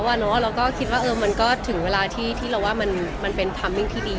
เราก็คิดว่ามันก็ถึงเวลาที่เราว่ามันเป็นทามมิ้งที่ดี